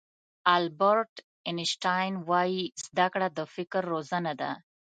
البرټ آینشټاین وایي زده کړه د فکر روزنه ده.